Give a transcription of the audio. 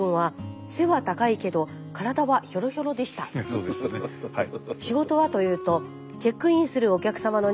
そうでしたねはい。